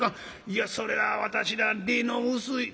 いやそれは私ら利の薄い」。